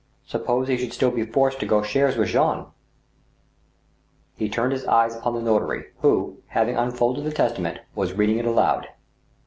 Suppose he should still be forced to go shares with Jean ? He turned his eyes upon the notary, who, having unfolded the testament^ was reading it aloud.